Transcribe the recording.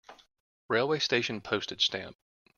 Railway station Postage stamp.